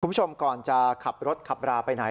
คุณผู้ชมก่อนจะขับรถขับราไปไหน